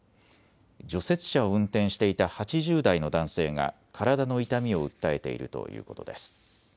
除雪車を運転していた８０代の男性が体の痛みを訴えているということです。